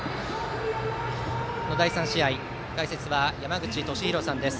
第３試合の解説は山口敏弘さんです。